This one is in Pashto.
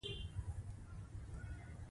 انا د روزنې توغ لري